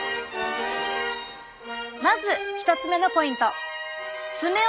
まず１つ目のポイント。